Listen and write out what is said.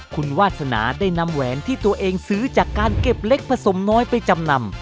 คุณวาสนาได้นำแหวนที่ตัวเองซื้อจากการเก็บเล็กผสมน้อยไปจำนำ